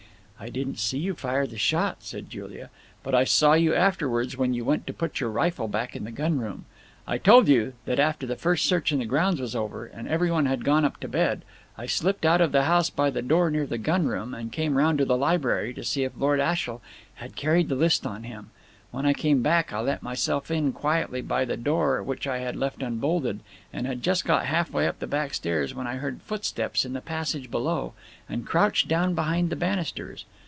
"I didn't see you fire the shot," said Julia, "but I saw you afterwards when you went to put back your rifle in the gun room. I told you that after the first search in the grounds was over, and everyone had gone up to bed, I slipped out of the house by the door near the gunroom, and came round to the library to see if Lord Ashiel had carried the list on him. When I came back, I let myself in quietly by the door which I had left unbolted, and had just got half way up the back stairs when I heard footsteps in the passage below, and crouched down behind the banisters.